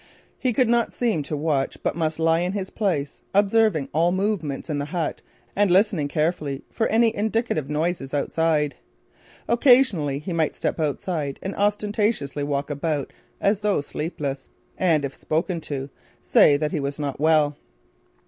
He could not seem to watch but must lie in his place, observing all movement in the hut and listening carefully for any indicative noises outside. Occasionally, he might step outside and ostentatiously walk about as though sleepless, and, if spoken to, say that he was not well.